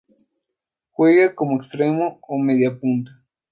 Juega como extremo o media punta.